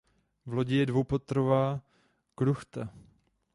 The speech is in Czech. V lodi je dvoupatrová kruchta.